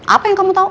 apa yang kamu tau